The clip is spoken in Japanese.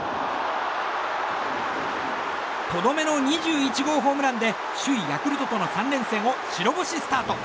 とどめの２１号ホームランで首位ヤクルトとの３連戦を白星スタート。